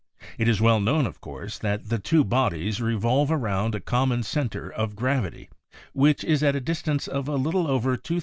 It is well known, of course, that the two bodies revolve around a common center of gravity, which is at a distance of a little over 2,899 miles from the earth's center.